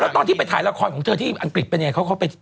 ตอนที่ไปถ่ายละครของเธอที่อังกฤษเป็นยังไง